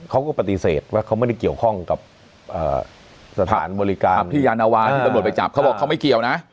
เขาก็ปฏิเสธว่าเขาไม่ได้เกี่ยวข้องกับสถานบริการที่ยานวาที่ตำรวจไปจับเขาบอกเขาไม่เกี่ยวนะ